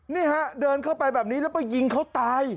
นี่ฮะเดินเข้าไปแบบนี้แล้วไปยิงเขาตาย